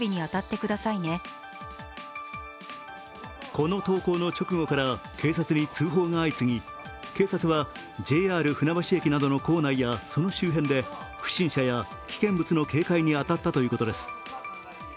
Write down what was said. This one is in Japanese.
この投稿の直後から警察に通報が相次ぎ警察はＪＲ船橋駅などの構内やその周辺で不審者や危険物の警戒に当たったということです。